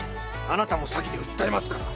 ・あなたも詐欺で訴えますから！